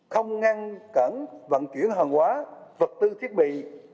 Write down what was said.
không ngăn cản vận chuyển hàng hóa vật tư thiết bị